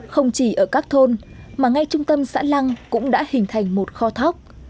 không chỉ ở các thôn mà ngay trung tâm xã lăng cũng đã hình thành một kho thóc